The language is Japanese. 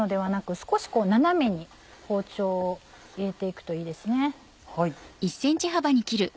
少し斜めに包丁を入れて行くといいですね。